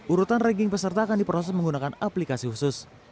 urutan ranking peserta akan diproses menggunakan aplikasi khusus